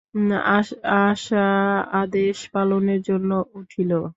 আশা আদেশ পালনের জন্য উঠিল।